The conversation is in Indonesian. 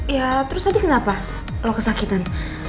ya terus tadi kenapa lo kesakitan